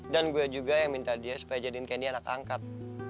dan gue juga yang minta dia supaya jadiin candy anak angkat